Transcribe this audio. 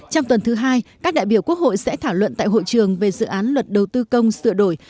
trong tuần thứ hai các đại biểu quốc hội sẽ thảo luận tại hội trường về dự án luật đầu tư công sửa đổi